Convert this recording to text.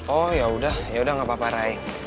oh yaudah gak apa apa ray